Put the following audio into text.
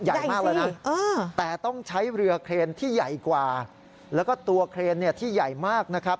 ใหญ่มากแล้วนะแต่ต้องใช้เรือเครนที่ใหญ่กว่าแล้วก็ตัวเครนเนี่ยที่ใหญ่มากนะครับ